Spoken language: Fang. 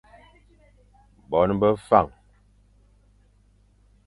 Bon be Fañ.